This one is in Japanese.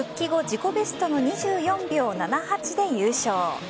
自己ベストの２４秒７８で優勝。